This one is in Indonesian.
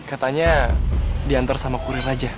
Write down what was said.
katanya diantar sama kurir aja